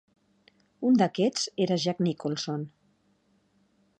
Un d'aquests era Jack Nicholson.